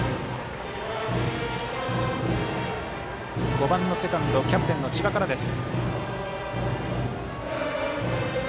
５番のセカンドキャプテンの千葉からです。